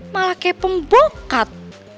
malah kayak pembokat